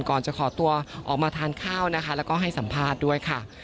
ก่อนจะขอตัวออกมาทานข้าวนะคะแล้วก็ให้สัมภาษณ์ด้วยค่ะ